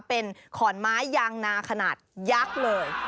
เป็นขอนไม้ยางนาขนาดยักษ์เลย